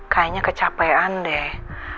kayaknya kecapean deh